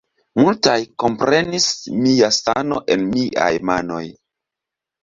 Multaj komprenis mia sano en miaj manoj!